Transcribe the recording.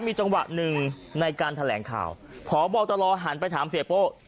มีจังหวะหนึ่งในการแถลงข่าวพบตรหันไปถามเสียโป้